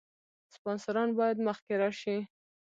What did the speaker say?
سپانسران باید مخکې راشي.